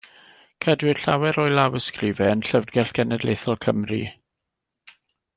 Cedwir llawer o'i lawysgrifau yn Llyfrgell Genedlaethol Cymru.